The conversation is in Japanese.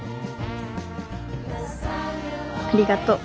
ありがとう。